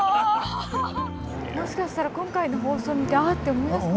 もしかしたら今回の放送見て「あ！」って思い出すかも。